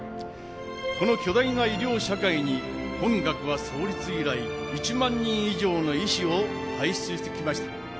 この巨大な医療社会に本学は創立以来一万人以上の医師を輩出してきました